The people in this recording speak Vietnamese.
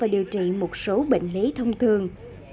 điều trị một số bệnh lý thông thường